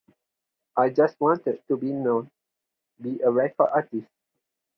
I just wanted to be known, be a recording artist.